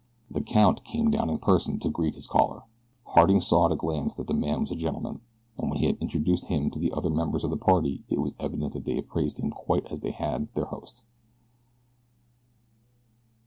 The "count" came down in person to greet his caller. Harding saw at a glance that the man was a gentleman, and when he had introduced him to the other members of the party it was evident that they appraised him quite as had their host.